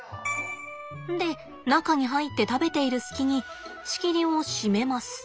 で中に入って食べている隙に仕切りを締めます。